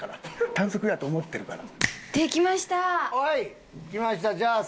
短足やと思ってるから。